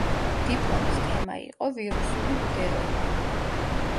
დიპლომის თემა იყო ვირუსული ვიდეოები.